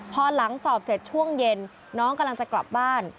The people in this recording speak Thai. พอหลังสอบเสร็จช่วงเย็นน้องกำลังจะกลับบ้าน